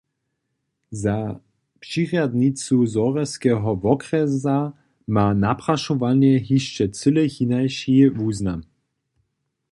Za přirjadnicu Zhorjelskeho wokrjesa ma naprašowanje hišće cyle hinaši wuznam.